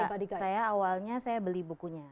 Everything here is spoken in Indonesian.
enggak saya awalnya saya beli bukunya